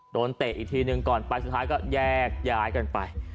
เตะอีกทีหนึ่งก่อนไปสุดท้ายก็แยกย้ายกันไป